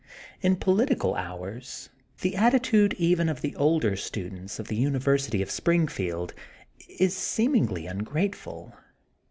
In political hours the attitude even of the older students of the University of Spring field is seemingly ungrateful.